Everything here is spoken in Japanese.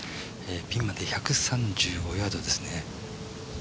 ピンまで１３５ヤードです。